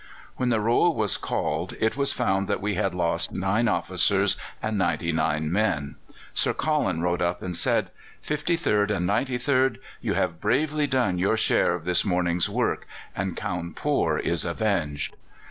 When the roll was called it was found that we had lost nine officers and ninety nine men. Sir Colin rode up and said: "Fifty third and Ninety third, you have bravely done your share of this morning's work, and Cawnpore is avenged."